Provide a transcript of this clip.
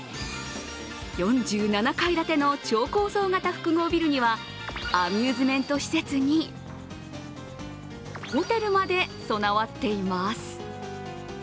４５階建ての超高層型複合ビルにはアミューズメント施設にホテルまで備わっています。